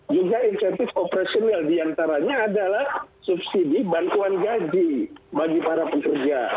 juga insentif operasional diantaranya adalah subsidi bantuan gaji bagi para pekerja